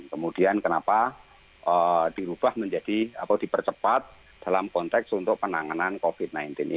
kemudian kenapa dirubah menjadi atau dipercepat dalam konteks untuk penanganan covid sembilan belas ini